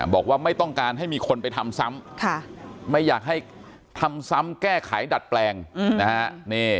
บอกว่าไม่ต้องการให้มีคนไปทำซ้ำไม่อยากให้ทำซ้ำแก้ไขดัดแปลงนะฮะ